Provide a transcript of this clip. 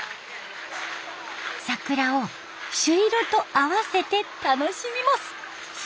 桜を朱色と併せて楽しみます。